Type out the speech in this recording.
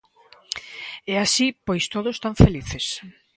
E así pois todos tan felices.